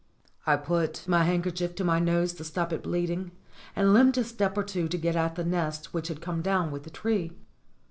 I put my handkerchief to my nose to stop it bleeding, and limped a step or two to get at the nest which had come down with the tree.